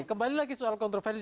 kembali lagi soal kontroversi